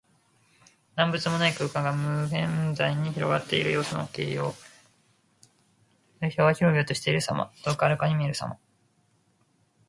何物もない空間が、無辺際に広がっている様子の形容。「縹渺」は広々としている様。遠くはるかに見えるさま。